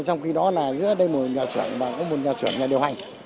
trong khi đó là giữa đây một nhà sửa và một nhà sửa nhà điều hành